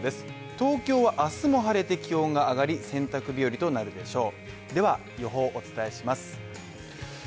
東京は明日も晴れて気温が上がり洗濯日和となるでしょう。